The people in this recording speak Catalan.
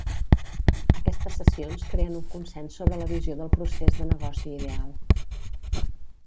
Aquestes sessions creen un consens sobre la visió del procés de negoci ideal.